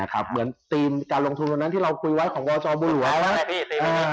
เหมือนการลงทุนเวลานั้นที่เราคุยไว้ของบจบหลวง